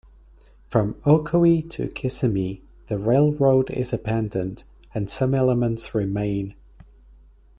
From Ocoee to Kissimmee, the railroad is abandoned, and some elements remain.